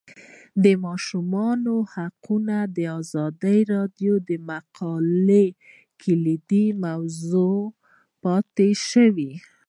د ماشومانو حقونه د ازادي راډیو د مقالو کلیدي موضوع پاتې شوی.